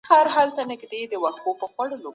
علمي معلومات د خبرو له لارې لېږدول کیږي.